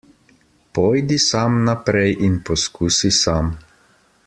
Pojdi sam naprej in poskusi sam.